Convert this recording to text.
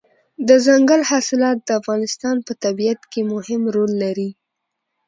دځنګل حاصلات د افغانستان په طبیعت کې مهم رول لري.